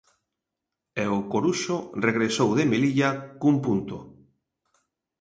E o Coruxo regresou de Melilla cun punto.